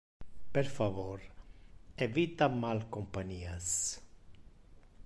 Per favor, evita mal companias.